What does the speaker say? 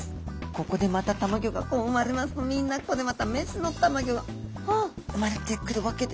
ここでまたたまギョがこう生まれますとみんなここでまた雌のたまギョが生まれてくるわけでありますね。